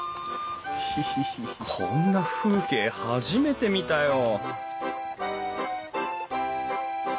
こんな風景初めて見たよ